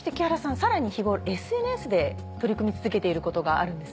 さらにＳＮＳで取り組み続けていることがあるんですね？